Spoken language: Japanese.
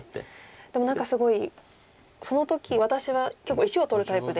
でも何かすごいその時私は結構石を取るタイプで。